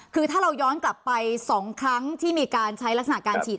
คือถ้าเราย้อนกลับไป๒ครั้งที่มีการใช้ลักษณะการฉีด